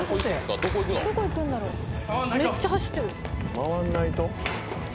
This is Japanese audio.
「回んないと？」